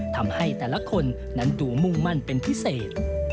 ทำให้แต่ละคนนั้นดูมุ่งมั่นเป็นพิเศษ